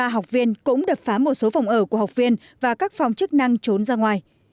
một trăm ba mươi ba học viên cũng đập phá một số phòng ở của học viên và các phòng chức năng trốn ra ngoài